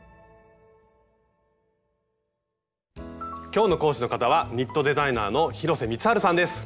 今日の講師の方はニットデザイナーの広瀬光治さんです。